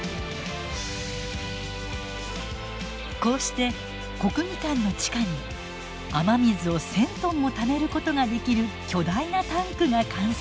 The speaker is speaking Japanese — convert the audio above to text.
こうして国技館の地下に雨水を１，０００トンもためることができる巨大なタンクが完成しました。